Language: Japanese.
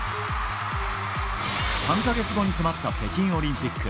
３か月後に迫った北京オリンピック。